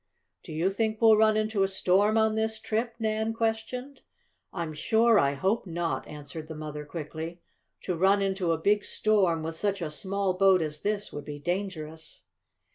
"Do you think we'll run into a storm on this trip?" Nan questioned. "I'm sure I hope not!" answered the mother quickly. "To run into a big storm with such a small boat as this would be dangerous."